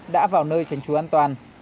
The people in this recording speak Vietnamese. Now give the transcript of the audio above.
đã vào nơi tránh chú an toàn